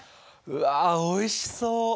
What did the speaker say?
うわおいしそう！